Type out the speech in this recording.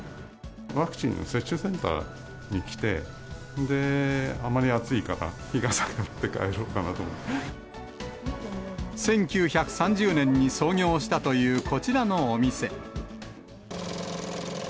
ワクチンの接種センターに来て、で、あまり暑いから、１９３０年に創業したという、こちらのお店。